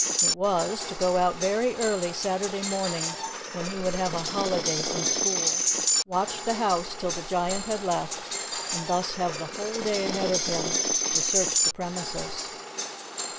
It was, to go out very early Saturday morning, when he would have a holiday from school, watch the house till the Giant had left, and thus have the whole day ahead of him, to search the premises.